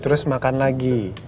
terus makan lagi